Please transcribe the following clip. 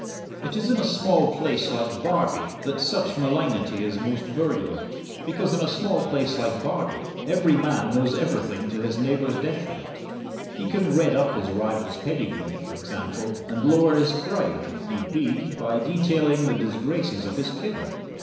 It is in a small place like Barbie that such malignity is most virulent, because in a small place like Barbie every man knows everything to his neighbour's detriment. He can redd up his rival's pedigree, for example, and lower his pride (if need be) by detailing the disgraces of his kin.